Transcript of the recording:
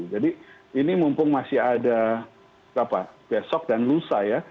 jadi ini mumpung masih ada besok dan lusa ya